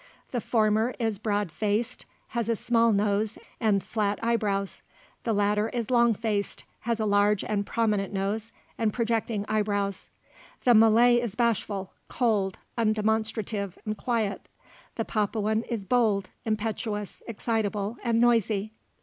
The former is broad faced, has a small nose, and flat eyebrows; the latter is long faced, has a large and prominent nose, and projecting eyebrows. The Malay is bashful, cold, undemonstrative, and quiet; the Papuan is bold, impetuous, excitable, and noisy.